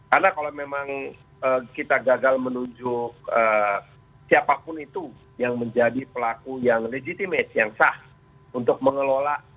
karena kalau memang kita gagal menunjuk siapapun itu yang menjadi pelaku yang legitimate yang sah untuk mengelola